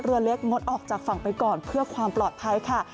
เรือเล็กงดออกจากฝั่งไปก่อนเพื่อความปลอดภัยค่ะ